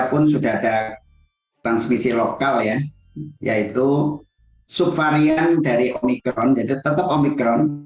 pun sudah ada transmisi lokal ya yaitu subvarian dari omicron jadi tetap omicron